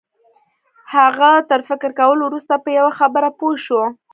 هغه تر فکر کولو وروسته په یوه خبره پوه شو